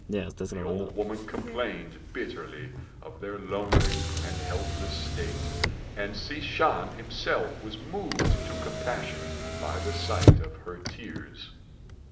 The old woman complained bitterly of their lonely and helpless state, and Hsi Shan himself was moved to compassion by the sight of her tears.